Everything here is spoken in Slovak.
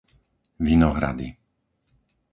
Vinohrady